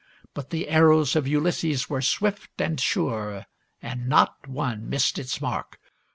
But the arrows of Ulysses were swift and sure, and not one missed its mark.